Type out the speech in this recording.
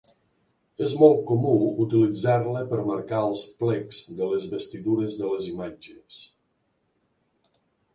És molt comú utilitzar-la per marcar els plecs de les vestidures de les imatges.